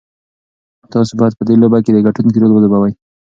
تاسو بايد په دې لوبه کې د ګټونکي رول ولوبوئ.